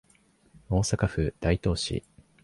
大阪府大東市